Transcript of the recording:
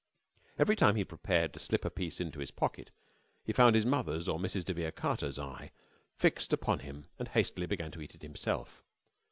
Every time he prepared to slip a piece into his pocket, he found his mother's or Mrs. de Vere Carter's eye fixed upon him and hastily began to eat it himself.